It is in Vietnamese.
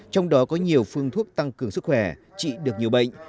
trong đó có nhiều phương thuốc tăng cường sức khỏe trị được nhiều bệnh